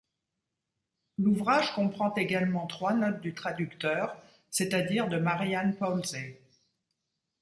L'ouvrage comprend également trois notes du traducteur, c'est-à-dire de Marie-Anne Paulze.